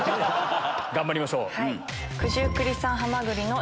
頑張りましょう。